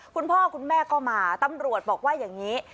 คุณพ่อคุณแม่ก็มาตำรวจบอกว่าอย่างนี้